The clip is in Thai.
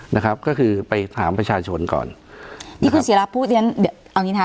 นะครับก็คือไปถามประชาชนก่อนที่คุณเสียรับพูดเอาอันนี้นะ